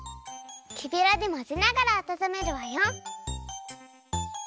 きべらで混ぜながらあたためるわよ。